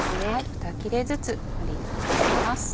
２切れずつ盛り合わせます。